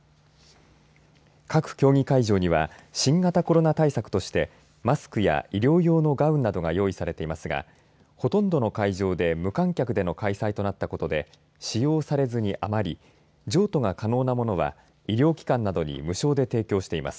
各競技会場には新型コロナ対策としてマスクや医療用のガウンなどが用意されていますがほとんどの会場で無観客での開催となったことで使用されずに余り譲渡が可能なものは医療機関などに無償で提供しています。